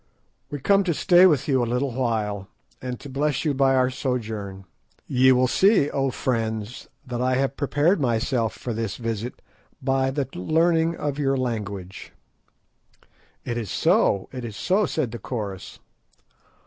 "We come to stay with you a little while, and to bless you by our sojourn. Ye will see, O friends, that I have prepared myself for this visit by the learning of your language." "It is so, it is so," said the chorus.